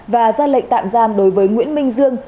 và ra lệnh tạm giam đối với nguyễn minh dương